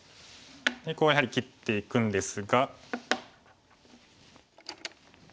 ここはやはり切っていくんですが。